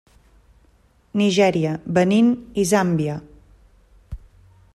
Nigèria, Benín i Zàmbia.